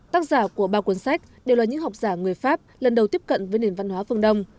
tác giả của ba cuốn sách đều là những học giả người pháp lần đầu tiếp cận với nền văn hóa phương đông